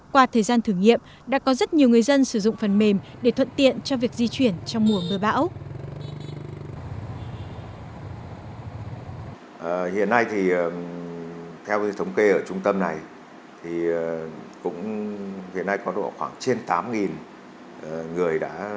qua thời gian thử nghiệm đã có rất nhiều người dân sử dụng phần mềm để thuận tiện cho việc di chuyển trong mùa mưa bão